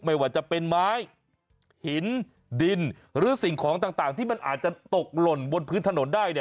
ไม่ว่าจะเป็นไม้หินดินหรือสิ่งของต่างที่มันอาจจะตกหล่นบนพื้นถนนได้